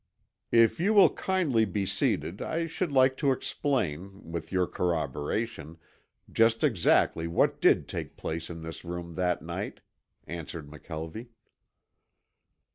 "If you will kindly be seated I should like to explain, with your corroboration, just exactly what did take place in this room that night," answered McKelvie.